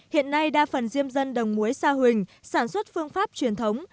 hiện nay đa phần diêm dân đồng muối sa huỳnh sản xuất phương pháp truyền thống